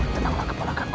tenanglah kepala kakuk